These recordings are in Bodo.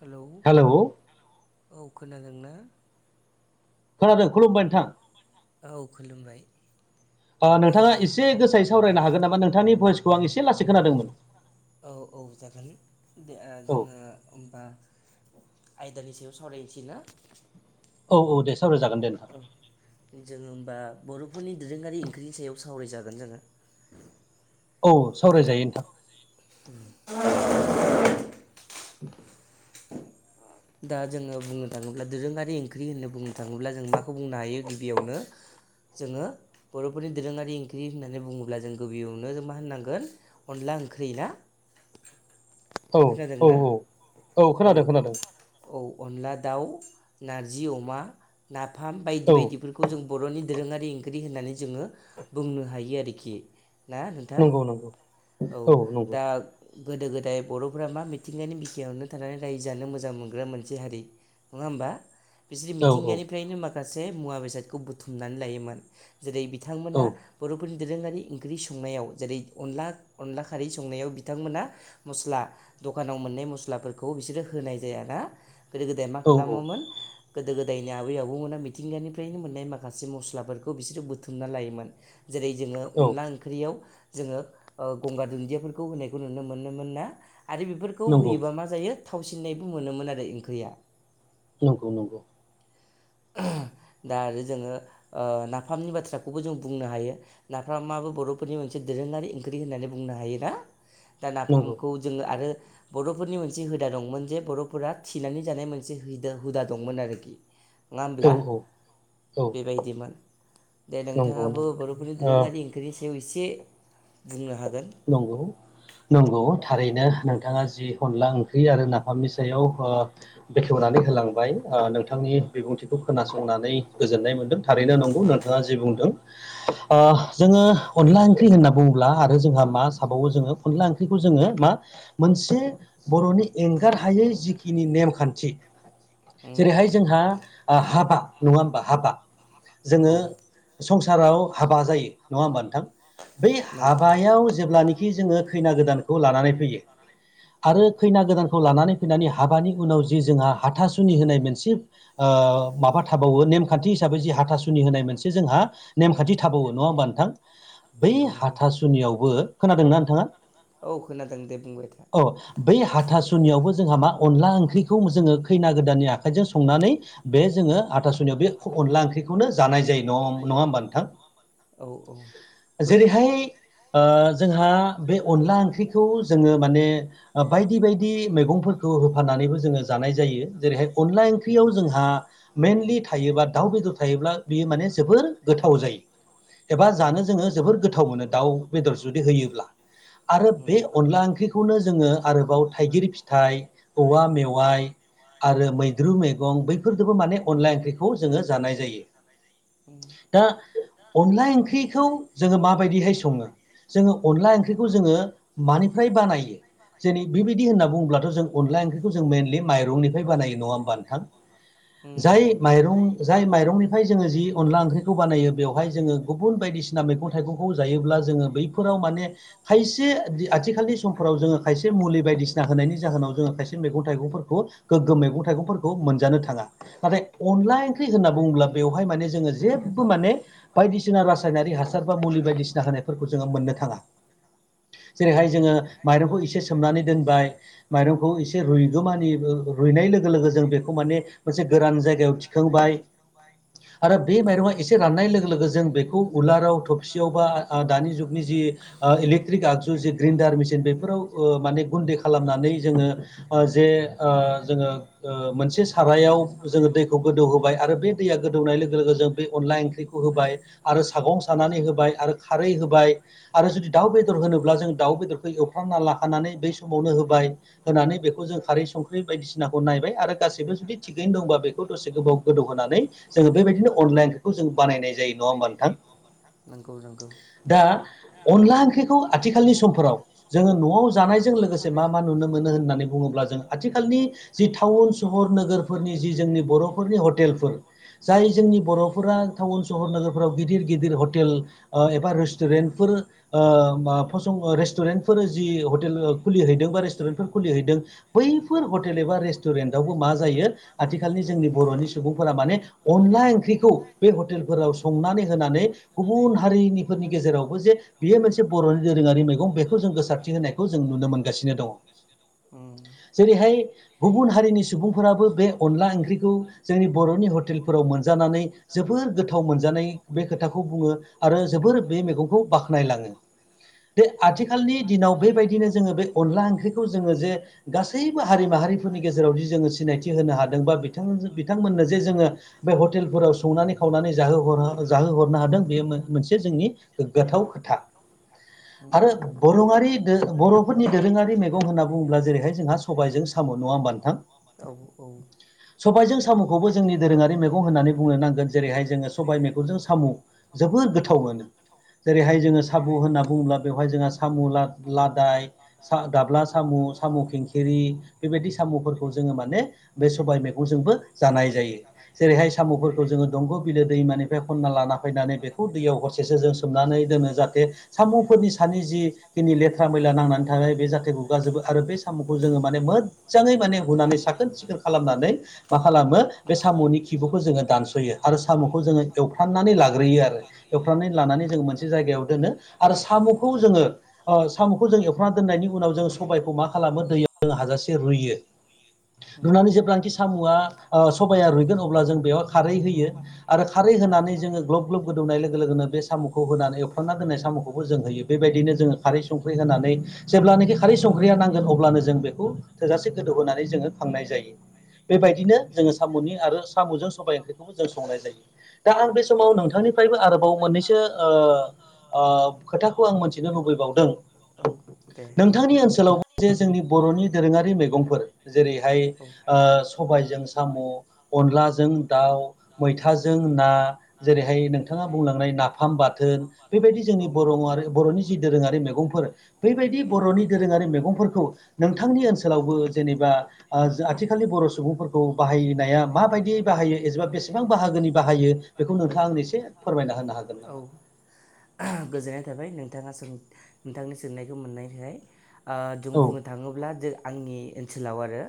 हेलौ औ खोनादोंना? खोनादों खुलुमबाय नोंथां। औ खुलुमबाय ओ नोंथाङा एसे गोसायै सावरायनो हागोन नामा? नोंथांनि भयसखौ आं एसे लासै खोनादोंमोन। औ औ जागोन दे ओ औ जोङो होमबा आयदानि सायाव सावरायनोसै ना? औ औ दे, सावराय जागोन दे। नोंथां औ। जोङो होमबा बर'फोरनि दोरोङारि ओंख्रिनि सायाव सावरायजागोन जोङो। औ सावरायजायो नोंथां। [inaudible] दा जोङो बुंनो थाङोब्ला दोरोङारि ओंख्रि होननानै बुंनो थाङोब्ला जों माखौ बुंनो हायो गिबियावनो जोङो बर'फोरनि दोरोङारि ओंख्रि होननानै बुङोब्ला जों गिबियावनो जों मा होननांगोन अनला ओंख्रि ना? औ औ खोनादोंना? औ औ। खोनादों खोनादों औ अनला दाउ, नारजि अमा, नाफाम बायदि औ बायदिफोर खौ जों बर'नि दोरोङारि ओंख्रि होननानै जोङो बुंनो हायो आरोखि ना नोंथां? नंगौ नंगौ औ दा गोदो गोदाय बर'फोरा मा मिथिंगानि बिखायावनो थानानै रायजो जानो मोजां मो मोनग्रा मोनसे हारि नङा होमबा? बिसोर औ औ मिथिंगानिफ्रायनो मा गासे मुवा बेसादखौ बुथुमनानै लायोमोन। जेरै बिथांमोना औ बर'फोरनि दोरोङारि ओंख्रि संनायाव जेरै अनला अनला खारै संनायाव बिथांमोना मस्ला दखानाव मोननाय मस्लाफोरखौ बिसोरो होनाय जायाना? गोदो गोदाय मा औ खालामोमोन गोदो गोदायनि आबै आबौमोना मिथिंगानिफ्रायनो मोननाय माखासे मस्लाफोरखौ बिसोरो बुथुमना लायोमोन। जेरै जोङो औ अनला ओं ओंख्रियाव जोङो गंगार दुन्दियाफोरखौ होनायखौ नुनो मोनोमोनना आरो बेफोर खौ नंगौ होयोबा मा जायो थावसिननायबो मोनोमोन आरो ओंख्रिया नंगौ नंगौ। [unintelligible] दा आरो जोङो ओ नाफामनि बाथ्राखौबो जों बुंनो हायो। नाफामाबो बर'फोरनि मोनसे दोरोङारि ओंख्रि होननानै बुंनो हायोना दा नंगौ नाफामखौ जोङो आरो बर'फोरनि मोनसे हुदा दंमोन जे बर'फोरा थिनानै जानाय मोनसे हैदा हुदा दंमोन आरोखि नङा औ होमब्ला औ औ बेबायदिमोन दे नंगौ नोंथाङाबो बर'फोरनि नंगौ ओ दोरोङारि ख्रिनि सायाव एसे बुंनो हागोन नंगौ नंगौ थारैनो नोंथाङा जि अनला ओंख्रि आरो नाफामनि सायाव ओ बेखेवनानै होलांबाय ओ नोंथांनि बिबुंथिखौ खोनासंनानै गोजोननाय मोनदों थारैनो नंगौ नोंथाङा जि बुंदों ओ जोङो अनला ओंख्रि होनना बुङोब्ला आरो जोंहा मा थाबावो अनला ओंख्रिखौ जोङो मा मोनसे बर'नि एं गारहायै जिखिनि नेमखान्थि उम जेरैहाय जोंहा ओ हाबा नङा होमबा हाबा जोङो औ संसाराव हाबा जायो नङा होमबा नोंथां बै नंगौ हाबायाव जेब्लानोखि जोङो खैना गोदानखौ लानानै फैयो उम आरो खैना गोदानखौ लानानै फैनानै हाबानि उनाव जि जोंहा हाथासुनि होनाय मोनसे ओ माबा थाबावो नेमखान्थि हिसाबै जि हाथासुनि होनाय मोनसे जोंहा नेमखान्थि थाबावो नङा होमबा नोंथां बै नंगौ नंगौ हाथासुनियावबो खोनादोंना नोंथाङा औ खोनादों दे बुंबाय था अ बै हाथासुनियावबो जोंहा मा अनला ओंख्रिखौ जोङो खैना गोदाननि आखाइजों संनानै बे जोङो हाथासुनियाव बे अनला ओंख्रिखौनो जानाय जायो नं नङा होमबा नोंथां औ औ जेरैहाय ओ जोंहा बे अनला ओंख्रिखौ जोङो माने ओ बायदि बायदि मैगंफोरखौ होफानानैबो जोङो जानाय जायो जेरैहाय अनला ओंख्रियाव जोंहा मेइनलि थायोबा दाउ बेदर थायोब्ला बेयो माने जोबोर गोथाव जायो एबा उम जानो जोङो जोबोर गोथाव मोनो दाउ बेदर जुदि होयोब्ला आरो उम बे अनला ओंख्रिखौनो जोङो आरोबाव थाइगिर फिथाइ औवा मेवाइ आरो मैद्रु मेगं बैफोरदोबो माने अनला ओंख्रिखौ जोङो जानाय जायो उम दा अनला ओंख्रिखौ जोङो माबायदिहाय सङो जोङो अनला उम ओंख्रिखौ जोङो मानिफ्राय बानायो जेनि बेबायदि होनना बुंङोब्लाथ' जों अनला ओंख्रिखौ जों मेइनलि माइरंनिफ्राय बानायो नङा होमबा नोंथां जाय उम माइरं जाय माइरंनिफ्राय जोङो जि अनला ओंख्रिखौ बानायो बेवहाय जोङो गुबुन बायदिसि ना मैगं थाइगंखौ जायोब्ला जोङो बैफोराव माने खायसे आथिखालनि समफोराव जोङो खायसे मुलि बायदिसिना होनायनि जाहोनाव जोङो खायसे मैगं थाइगंफोरखौ गोग्गो मैगं थाइगंफोरखौ मोनजानो थाङा नाथाय अनला ओंख्रि होनना बुङोब्ला बेवहाय माने जोङो जेबो माने बायदिसिना रासायनारि हासार बा मुलि बायदिसिना होनायफोरखौ जोङो मोननो थाङा उम उम जेरैहाय जोङो माइरंखौ एसे सोमनानै दोनबाय माइरंखौ एसे रुयगोमानि ओ रुइनाय लोगो लोगो जों बेखौ माने मोनसे गोरान जायगायाव थिखांबाय [inaudible] आरो बे औ माइरंआ एसे राननाय लोगो लोगो जों बेखौ उलाराव थबसियाव बा आ दानि जुग नि जि ओ इलेक्ट्रिक आगजु जि ग्रिन्डार मेसिन बेफोराव माने ओ गुन्दै खालामनानै जोङो ओ जे ओ जोङो ओ मोनसे सारायाव जोङो दैखौ गोदौहोबाय आरो बे दैया गोदौनाय लोगो लोगो जों बे अनला ओंख्रिखौ होबाय आरो सागं सानानै होबाय आरो खारै होबाय आरो जुदि दाउ बेदर होनोब्ला जों दउ बेदरखौ एवफ्रांना लाखानानै बै समावनो होबाय होनानै बेखौ जों खारै संख्रि बायदिसिनाखौ नायबाय आरो गासैबो जुदि थिगैनो दंबा बेखौ दसे गोबाव गोदौ होनानै जोङो बेबायदिनो अनलाइनखौ जोंङो बानायनाय जायो नङा मोनथां नगौ नोंगौ दा अनला ओंख्रिखौ आथिखालनि समफोराव जोङो न'आव जानायजों लोगोसे मा मा नुनो मोनो होननानै बुङोब्ला जों आथिखालनि जि टाउन सहर नोगोरफोरनि जि जोंनि बर'फोरनि हटेलफोर जाय जोंनि बर'फोरा टाउन सहर नोगोरफ्राव गिदिर गिदिर हटेल एबा रेस्टुरेन्ट फोर म फसं रेस्टुरेन्टफोर जि हटेल खुलिहैदों बा रेस्टुरेन्टफोर खुलिहैदों बैफोर हटेल एबा रेस्टुरेन्टआवबो मा जायो आथिखालनि जोंनि बर'नि सुबुंफोरा माने अनला ओंख्रिखौ बे हटेलफोराव संनानै होनानै गुबुन हारिनिफोरनि गेजेराव जे बेयो मोनसे बर'नि दोरोङारि मैगं बेखौ जों गोसारथि होनायखौ जों नुनो मोनगासिनो दङ [inaudible] जेरैहाय गुबुन हारिनि सुबुंफोराबो बे अनला ओंख्रिखौ जोंनि बर'नि हटेलफोराव मोनजानानै जोबोर गोथाव मोनजानाय बे खोथाखौ बुङो आरो जोबोर बे मैगंखौ बाख्नायलाङो बे उम आथिखालनि दिनाव बेबायदिनो जोङो बे अनला ओंख्रिखौ जोङो जे गासैबो हारि माहारिफोरनि गेजेरावदि जोङो सिनायथि होनो हादों बा बिथां बिथांमोननो जे जोङो बे हटेलफोराव संनानै खावनानै जाहो जाहोहरनो हादों बेयो मोनसे जोंनि गोथाव खोथा [inaudible] आरो बरङारि बर'फोरनि दोरोङारि मेगं होनना बुङोब्ला जेरैहाय जोंहा सबायजों साम' नङा बान्थां औ औ सबायजों साम'खौबो जोंनि दोरोङारि मैगं होननानै बुंनो नांगोन जेरैहाय जोङो सबाय मेगंजों साम' जोबोद गोथाव मोनो जेरैहाय उम जोङो साबु होनना बुङोब्ला बेवहाय जोंहा सामु लादाय गाब्ला साम' साम' खेंखेर बेबायदि साम'फोरखौ जोङो माने बे सबाय मैगंजोंबो जानाय जायो जेरैहाय साम'फोरखौ जोङो दंग' बिलो दैमानिफ्राय खनना लाना फैनानै बेखौ दैयाव हरसेस जों सुमनानै दोनो जाहाथे सामुंफोरनि सानि जि खिनि लेथ्रा मैला नांनानै थ बे जाथायखौ गाजोबो आरो बे साम'खौ जोङो माने मोद मोजाङै माने हुनानै साखोन सिखोन खालामनानै मा खालामो बे साम'नि खिबुखौ जोङो दानस'यो आरो साम'खौ जोङो एवफ्राननानै लाग्रोयो आरो एवफ्रामनानै लानानै जोङो मोनसे जायगायाव दोनो आरो साम'खौ जोङो साम'खौ जों एवफ्रना दोननायनि उनाव जोङो सबबायखौ मा खालामो दैयाव जोङ हाजासे रुइयो उम रुनानै जेब्लांखि सामुआ सबाया रुइगोन अब्ला जों बेयाव खारै होयो आरो खारै होनानै जोङो ग्लब ग्लब गोदौनाय लोगो लोगोनो बे साम'खौ होनानै एवफ्रांना दोन्नाय साम'खौबो जों होयो बेबायदिनो जोङो खारै संख्रि होनानै जेब्लानोाखि खारै संख्रिया नांगोन अब्लानो जों बेखौ थोजासे गोदौ होनानै जोङो खांनाय जायो बेबायदिनो जोङो साम'नि आरो साम'जों सबायाइ ओंख्रिखौबो जों संनाय जायो दा आं बे समाव नोंथांनिफ्रायबो आरोबाव मोननैसो खोथाखौ आं मोनथिनो लुबैबावदों औ दे नोंथांनि ओनसोलाव जे जोंनि बर'नि दोरोङारि मैगंफोर जेरैहाय सबायजों साम' अनलाजों दाउ मैथाजों ना जेरैहाय नोंथाङा बुंलांनाय नाखौ फाम बाथोन बेबायदि जोंनि औ बर' बर'नि जि दोरोङारि मैगंफोर बेबायदि बर'नि दोरोङारि मैगंफोरखौ नोंथांनि ओनसोलावबो जेनेबा आथिखालनि बर' सुबुंफोरखौ बाहायनाया माबायदि बाहायो एबा बेसेबां बाहागोनि बाहायो बेखौ नोंथाङा आं एसे फोरमायना होनो हागोन नामा औ गोजोननाय थाबाय नोंथाङा नोंथांनि सोंनायखौ मोननायनि थाखाय जों औ बुंनो नो थाङोब्ला ज आंनि ओनसोलाव आरो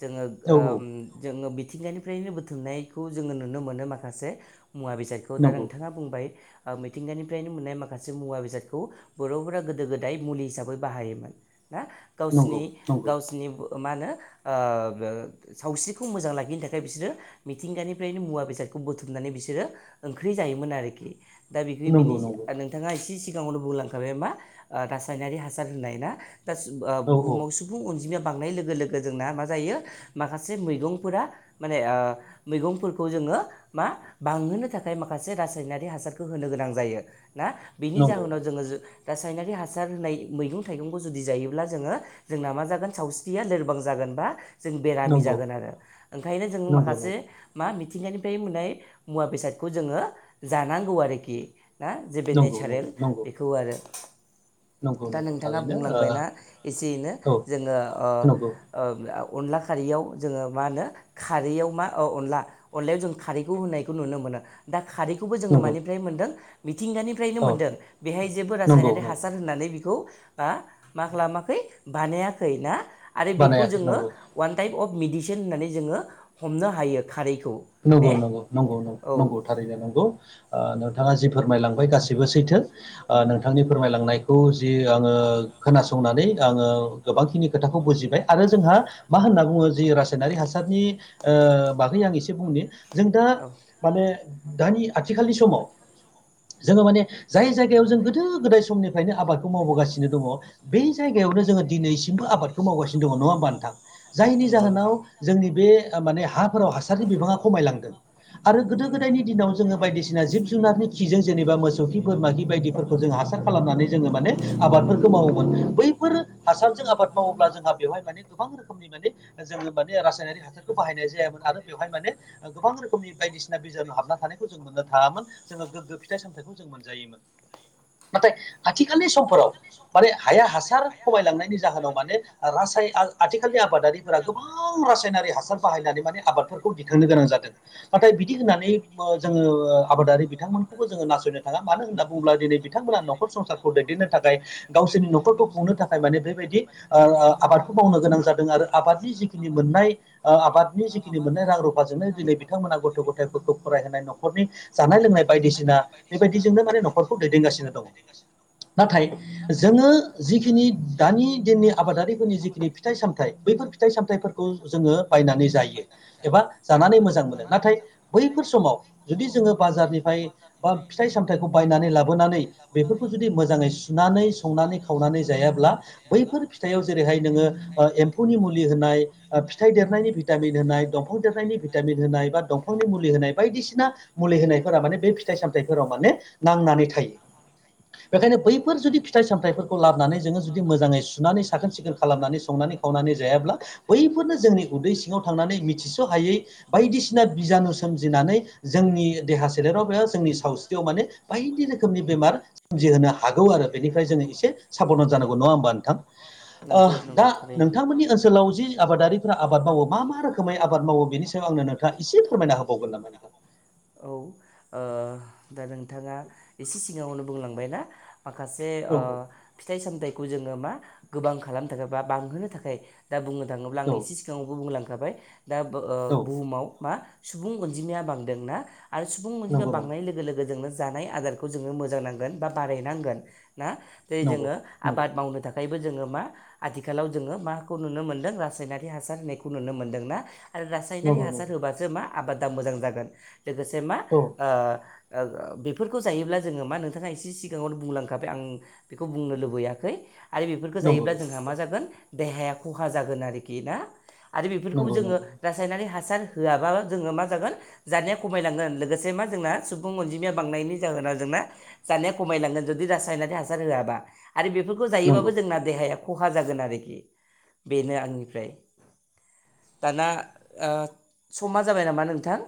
जोङो औ ओम जोङो मिथिंगायानिफ्रायनो बुथुमनायखौ जोङो नुनो मोनो माखासे मुवा बेसादखौ दा नंगौ नोंथाङा बुंबाय मिथिंगानिफ्रायनो मोननाय माखा माखासे मुवा बेसादखौ बर'फोरा गोदो गोदाय मुलि हिसाबै बाहायोमोन ना नंगौ गावसिनि नंगौ गावसिनि मा होनो ओ सावस्रिखौ मोजां लाखिनो थाखाय बिसोरो मिथिंगानिफ्रायनो मुवा बेसादखौ बुथुमनानै बिसोरो ओंख्रि जायोमोन आरोखि दा बेखौ बिनि नंगौ नंगौ नोंथाङा एसे सिगाङावनो बुंलांखाबाय मा रासायनारि हासार होननाय ना दा औ बुहुमाव सुबुं अनजिमाया बांनाय लोगो लोगो जोंना मा जायो माखासे मैगंफोरा माने ओ मैगंफोरखौ जोङो मा बांहोनो थाखाय माखासे रासायनारि हासारखौ होनो गोनां जायो ना बिनि नंगौ जाहोनाव जोङो रासायनारि हासार होनाय मैगं थाइगंखौ जुदि जायोब्ला जोङो जोंना मा जागोन सावस्रिया लोरबां जागोन बा जों बेरामि नंगौ जागोन आरो ओंखायनो जोंङो नंगौ माखासे नंगौ मा मिथिंगानिफ्राय मोननाय मुवा बेसादखौ जोङो जानांगौ आरोखि ना जेबो नंगौ नंगौ नेचारेल नंगौ बेखौ आरो नंगौ दा नंगौ नोंथाङा थारैनो बुंलांबायना एसे एैनो ओ औ जोङो नंगौ ओ अनला खारैयाव जोङो मा होनो खारैयाव मा ओ अनला अनलायाव जों खारैखौ होनायखौ नुनो मोनो दा खारैखौबो जोङो नंगौ मानिफ्राय मोनदों मिथिंगानि फ्रायनो औ मोनदों बेहाय जेबो नंगौ रासायनारि नंगौ हासार होननानै बेखौ बा मा खालामाखै बानायाखै ना आरो बेखौ बानायाखै जोङो नंगौ अवान टाइप अफ मेडिसिन होननानै जोङो हमनो हायो खारैखौ नंगौ ने नंगौ नंगौं नंगौ औ नंगौ थारैनो नंगौ नोंथाङा जि फोरमायलांबाय गासैबो सैथो नोंथांनि फोरमायलांनायखौ जि आङो खोनासंनानै आङो गोबांखिनि खोथाखौ बुजिबाय आरो जोंहा मा होनना बुङो जि रासायनारि हासारनि बागै आं एसे बुंनि जों दा औ माने दानि आथिखालनि समाव जोङो माने जाय जायगायाव जों गोदो गोदाय समनिफ्रायनो आबादखौ मावबोगासिनो दङ बे जायगायावनो जोङो दिनैसिमबो आबादखौ मावगासिनो दङ नङा होमबा नोंथां जायनि नंगौ नंगौ जाहोनाव जोंनि बे माने हाफोराव हासारनि बिबाङा खमायलांदों आरो गोदो उम गोदायनि दिनाव जोङो बायदिसिना जिब जुनारनि खिजों जेनेबा मोसौ खि बोरमा खि बायदिफोरखौ जों हासार खालामनानै जोङो माने आबादफोरखौ मावोमोन बैफोर हासारजों आबाद मावोब्ला जोंहा बेवहाय माने गोबां रोखोमनि माने जोङो माने रासायनारिक हासारखौ बाहायनाय जायामोन आरो हाय माने गोबां रोखोमनि बायदिसिना बिजानाव हाबना थानायखौ जों मोननो थाङामोन जोङो गोग्गो फिथाइ सामथायाइखौ जों मोनजायोमोन नाथाय आथिखालनि समफोराव माने हाया हासार खमायलांनायनि जाहोनाव माने रासाय आथिखालनि आबादारि गोबां रासायनारि हासार बाहायनानै माने आबादफोरखौ खांनो गोनां जादों नाथाय बिदि होननानै जोङो आबादारि बिथांमोनखौबो जों नासयनो थाङा मानो होनना बुङोब्ला दिनै बिथांमोना न'खर संसारखौ दैदेननो थाखाय गावसोरनि न'खरखौ खुंनो थाखाय माने बेबायदि आबादखौ मावनो गोनां जादों आरो आबादनि जिखिनि मोननाय आबादनि जिखिनि मोननाय रां रुफाजोंनो दिनै बिथांमोना गथ' गथाय गथ' फरायहोनाय न'खरनि जानाय लोंनाय बायदिसिना बेबायदिजोंनो माने न'खरखौ दैदेनगासिनो दङ नाथाय जोङो जिखिनि दानि दिननि आबादारिफोरनि जिखिनि फिथाइ सामथायाइ बैफोर फिथाइ सामथायफोरखौ खौ जोङो बायनानै जायो एबा जानानै मोजां मोनो नाथाय बैफोर समाव जुदि जोङो बाजारनिफ्राय बा फिथाइ सामथाइखौ बायनानै लाबोनानै बेफोरखौ जुदि मोजा बैफोर फिथाइयाव जेरैहाय नोङो एम्फौनि मुलि होनाय फिथाइ देरनायनि भिटामिन होनाय दंफां देरनायनि भिटामिन होनाय बा दंफांनि मुलि होनाय बायदिसिना मुलि होनायफोरा माने बे फिथाइ सामथाइफोराव माने नांनानै थायो [inaudible] बेखायनो बैफोर जुदि फिथाइ सामथाइफोरखौ लाबोनानै जोङो जुदि मोजाङै सुनानै साखोन सिखोन खालामनानै संनानै खावनानै जायाब्ला बैफोरनो जोंनि उदै सिङाव थांनानै मिथिस' हायै बायदिसिना बिजानु सोमजिनानै जोंनि देहा सोलेराव एबा जोंनि सावस्रियाव माने बायदि रोखोमनि बेमार सोमजिहोनो हागौ आरो बेनिफ्राय जोङो एसे साबधान जानांगौ नङा होमबा नोंथां ओ नंगौ नंगौ थारैनो रोखोमै आबाद मावो बेनि सायाव आंनो इसे फोरमायना होबावोन नामा नोंथां औ ओ दा नोंथाङा एसे सिगाङावनो बुंलांबाय ना माखासे औ ओ फिथाइ सामथाइखौ जोङो मा गोबां खालामनो थाखाय बा बांहोनो थाखाय दा बुंनो थाङोब्ला आं औ एसे सिगाङावबो बुंलांखाबाय दा ओ औ बुहुमाव मा सुबुं अनजिमाया बांदोंना आरो सुबुं अनजिमाया नंगौ नंगौ बांनाय लोगो लोगो जोंनो जानाय आदार खौ जोङो मोजां नांगोन बा बारायनांगोन ना जे नंगौ जोङो नंगौ आबाद मावनो थाखाय जोङो मा आथिखालाव जोङो माखौ नुनो मोनदों रासायनारि हासार होनायखौ नुनो मोनदोंना आरो रासायनारि नंगौ हासार नंगौ होबासो मा आबादा मोजां जागोन लोगोसे मा औ ओ बेफोरखौ जायोब्ला जोङो मा नोंथाङा एसे सिगाङावनो बुंलांखाबाय आं बेखौ बुंनो लुबैयाखै आरो बेफोरखौ नंगौ जायोब्ला नंगौ जोंहा मा जागोन देहाया खहा जागोन आरोखि ना आरो बेफोरखौ नंगौ जोङो नंगौ रासायनारि हासार होआबा जोङो मा जागोन जानाय खमायलांगोन लोगोसे मा जोंना सुबुं अनजिमाया बांनायनि जाहोना जोंना जानाया खमायलांगोन जुदि रासायनारि हासार होआबा आरो बेफोरखौ जायोबाबो नंगौ जोंना देहाया खहा जागोन आरोखि बेनो आंनिफ्राय दाना ओ समा जाबाय नामा नोंथां